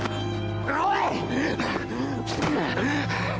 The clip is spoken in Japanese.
おい！